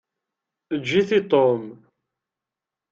Eǧǧ-it i Tom.